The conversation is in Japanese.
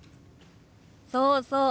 そうそう！